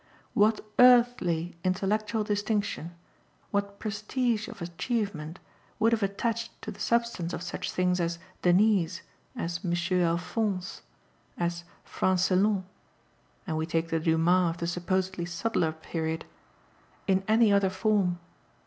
What earthly intellectual distinction, what 'prestige' of achievement, would have attached to the substance of such things as 'Denise,' as 'Monsieur Alphonse,' as 'Francillon' (and we take the Dumas of the supposedly subtler period) in any other form?